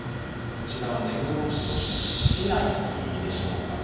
こちらは根室市内でしょうかね。